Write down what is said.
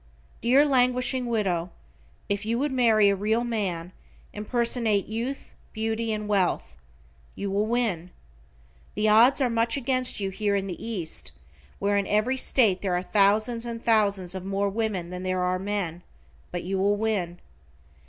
Dear languishing widow, if you would marry a real man, impersonate youth, beauty and wealth. You will win. The odds are much against you here in the East, where in every state there are thousands and thousands of more women than there are men, but you will win.